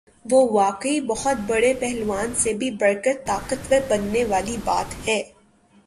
ہ واقعی بہت بڑے پہلوان سے بھی بڑھ کر طاقت ور بننے والی بات ہے۔